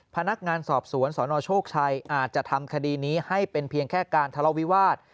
พนักงานสอบสวนสนโชคชัยอาจจะทำคดีนี้ให้เป็นเพียงแค่การทะเลาวิวาส